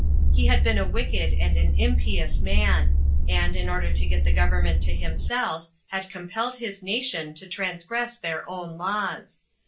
He had been a wicked and an impious man; and, in order to get the government to himself, had compelled his nation to transgress their own laws.